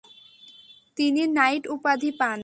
তিনি নাইট উপাধি পান।